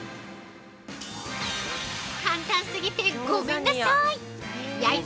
◆簡単過ぎて、ごめんなさい。